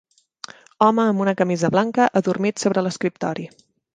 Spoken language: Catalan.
Home amb una camisa blanca adormit sobre l'escriptori.